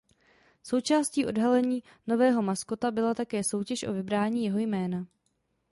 Součástí odhalení nového maskota byla také soutěž o vybrání jeho jména.